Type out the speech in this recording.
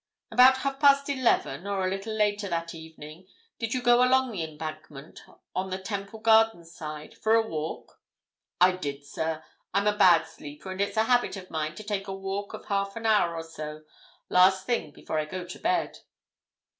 "About half past eleven, or a little later, that evening, did you go along the Embankment, on the Temple Gardens side, for a walk?" "I did, sir. I'm a bad sleeper, and it's a habit of mine to take a walk of half an hour or so last thing before I go to bed."